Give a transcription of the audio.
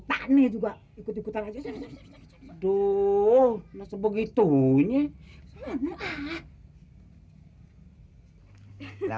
tak nih juga ikut ikutan aja tuh sebegitunya